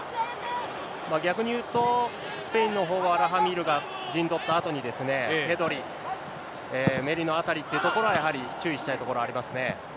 逆に言うと、スペインのほうは、ラファ・ミールが陣取ったあとに、ペドリ、メリノあたりってところは、やはり注意したいところありますね。